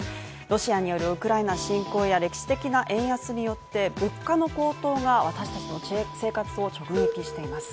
ロシアによるウクライナ侵攻や歴史的な円安によって物価の高騰が私たちの生活を直撃しています。